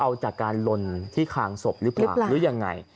เอาจากการลนที่คางศพหรือเปล่าหรือยังไง